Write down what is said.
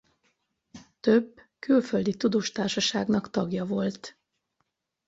Több külföldi tudós társaságnak tagja volt.